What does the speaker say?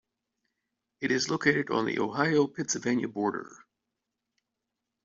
It is located on the Ohio-Pennsylvania border.